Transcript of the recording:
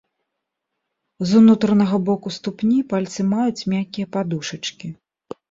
З унутранага боку ступні пальцы маюць мяккія падушачкі.